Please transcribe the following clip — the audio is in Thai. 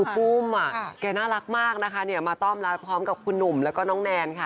ปุ้มแกน่ารักมากนะคะมาต้อนรับพร้อมกับคุณหนุ่มแล้วก็น้องแนนค่ะ